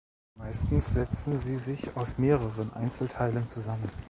Meistens setzen sie sich aus mehreren Einzelteilen zusammen.